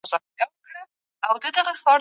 هغه کولای سي ستونزه حل کړي.